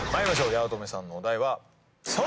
八乙女さんのお題は。